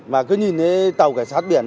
mà cứ nhìn thấy tàu cảnh sát biển